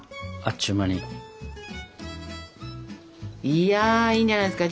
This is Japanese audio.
いやいいんじゃないですか？